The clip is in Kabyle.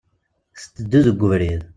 Tetteddu deg ubrid.